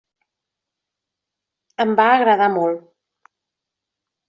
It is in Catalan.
Em va agradar molt.